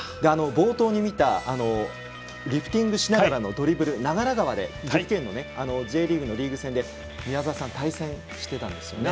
冒頭で見たリフティングしながらのドリブル長良川のＪリーグのリーグ戦で宮澤さん、対戦してたんですね。